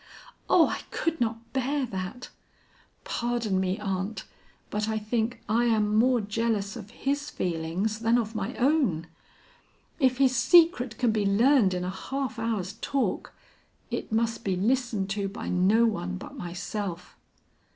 Oh, I could not bear that. Pardon me, aunt, but I think I am more jealous of his feelings than of my own. If his secret can be learned in a half hour's talk, it must be listened to by no one but myself.